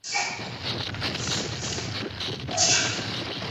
乐山铺地蜈蚣为蔷薇科铺地蜈蚣属下的一个种。